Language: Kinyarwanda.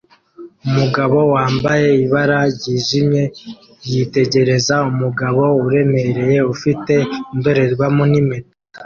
Umugabo wambaye ibara ryijimye yitegereza umugabo uremereye ufite indorerwamo nimpeta